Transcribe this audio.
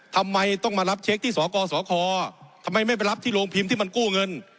ทำไมต้องมารับเช็คที่สกสคทำไมไม่ไปรับที่โรงพิมพ์ที่มันกู้เงิน